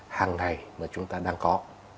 hàng ngày mà chúng ta đang có